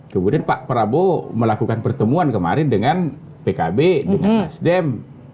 kemudian pak prabowo melakukan pertemuan kemarin dengan pkb dengan nasdem